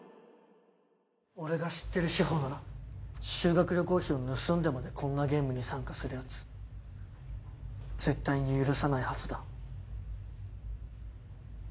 俺が知ってる志法なら修学旅行費を盗んでまでこんなゲームに参加する奴絶対に許さないはずだ。